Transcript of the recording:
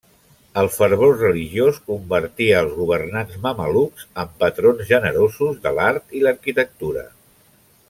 El fervor religiós convertia els governants mamelucs en patrons generosos de l'art i l'arquitectura.